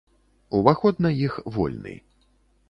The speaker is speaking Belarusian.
Уваход на іх вольны.